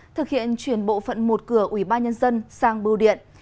thực hiện chuyển bộ phận một cửa ủy ban nhân dân sang bưu điện